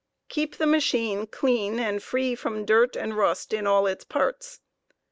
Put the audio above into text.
Keep the machine clean and free from dirt and rust in all its parts.